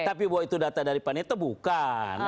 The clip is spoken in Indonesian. tapi bahwa itu data dari pan itu bukan